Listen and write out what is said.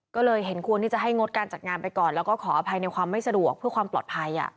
ก็เลยเห็นควรที่จะให้งดการจัดงานไปก่อนแล้วก็ขออภัยในความไม่สะดวกเพื่อความปลอดภัย